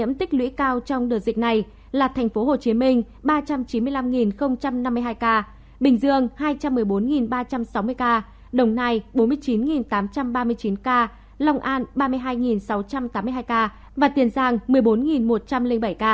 những tích lũy cao trong đợt dịch này là thành phố hồ chí minh ba trăm chín mươi năm năm mươi hai ca bình dương hai trăm một mươi bốn ba trăm sáu mươi ca đồng nai bốn mươi chín tám trăm ba mươi chín ca lòng an ba mươi hai sáu trăm tám mươi hai ca và tiền giang một mươi bốn một trăm linh bảy ca